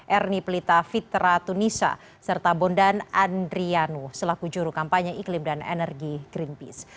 ernie pelita fitra tunisa serta bondan andrianu selaku juru kampanye iklim dan energi greenpeace